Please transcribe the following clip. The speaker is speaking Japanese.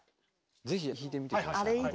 ぜひ弾いてみてください。